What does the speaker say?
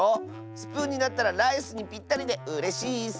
スプーンになったらライスにぴったりでうれしいッス。